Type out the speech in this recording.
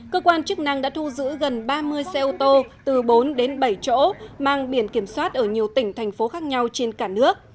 cơ quan chức năng đã thu giữ gần ba mươi xe ô tô từ bốn đến bảy chỗ mang biển kiểm soát ở nhiều tỉnh thành phố khác nhau trên cả nước